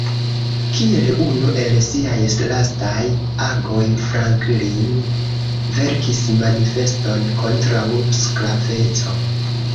Kiel unu el siaj lastaj agoj, Franklin verkis manifeston kontraŭ sklaveco.